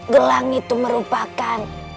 gelang itu merupakan